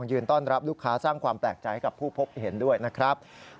ก็คือชอบกินก๋วยเตี๋ยวด้วยครับ